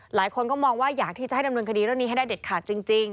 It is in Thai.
หลายคนก็มองว่าอยากที่จะให้ดำเนินคดีเรื่องนี้ให้ได้เด็ดขาดจริง